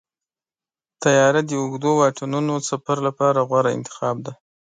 طیاره د اوږدو واټنونو سفر لپاره غوره انتخاب دی.